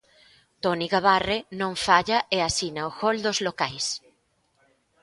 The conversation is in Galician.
Toni Gabarre non falla e asina o gol dos locais.